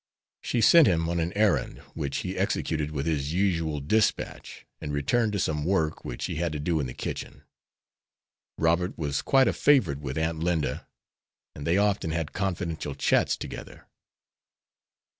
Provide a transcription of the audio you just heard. She sent him on an errand, which he executed with his usual dispatch, and returned to some work which he had to do in the kitchen. Robert was quite a favorite with Aunt Linda, and they often had confidential chats together.